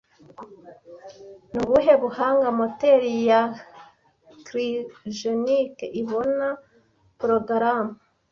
Ni ubuhe buhanga moteri ya Cryogenic ibona porogaramu